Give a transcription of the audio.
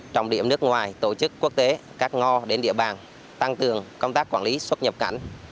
trọng điểm nước ngoài tổ chức quốc tế các ngò đến địa bàn tăng cường công tác quản lý xuất nhập cảnh